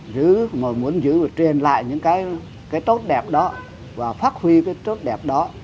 giữ mà muốn giữ và truyền lại những cái tốt đẹp đó và phát huy cái tốt đẹp đó